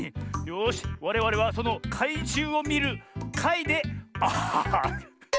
よしわれわれはそのかいじゅうをみるかいである。